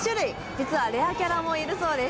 実はレアキャラもいるそうです。